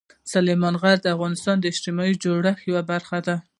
سلیمان غر د افغانستان د اجتماعي جوړښت یوه برخه ده.